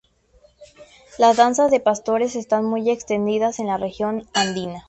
Las danzas de pastores están muy extendidas en la región andina.